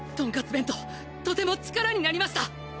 弁当とても力になりました！